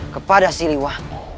kepada si liwa